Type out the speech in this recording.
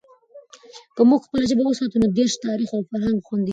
که موږ خپله ژبه وساتو، نو دیرش تاریخ او فرهنگ خوندي کړي.